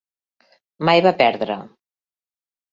Mai va perdre.